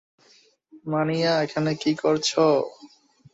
মানিয়া, এখানে কী করছ?